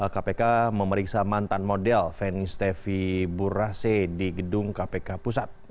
kpk memeriksa mantan model feni stefi burase di gedung kpk pusat